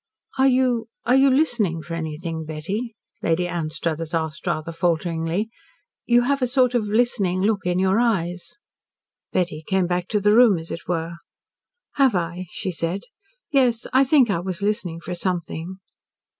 "Are are you listening for anything, Betty?" Lady Anstruthers asked rather falteringly. "You have a sort of listening look in your eyes." Betty came back to the room, as it were. "Have I," she said. "Yes, I think I was listening for something."